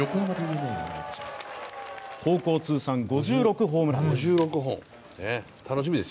高校通算５６ホームランです。